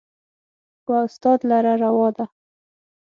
و استاد لره روا ده